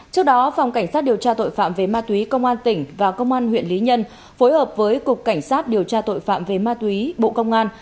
trước đó phòng cảnh sát điều tra tội phạm về ma túy công an tỉnh và công an huyện lý nhân phối hợp với cục cảnh sát điều tra tội phạm về ma túy bộ công an